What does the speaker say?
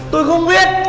tôi không biết